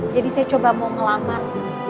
jadi saya coba mau melamar